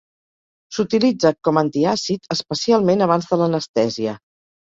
S'utilitza com antiàcid, especialment abans de l'anestèsia.